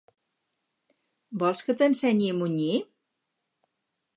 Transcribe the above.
Vols que t'ensenyi a munyir?